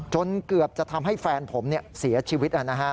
จนเกือบจะทำให้แฟนผมเสียชีวิต